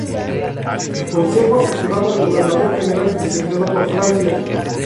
El consejo asesoraba al gobernador general designado por Francia.